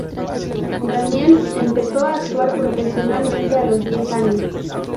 Daniels empezó a actuar profesionalmente a los diez años.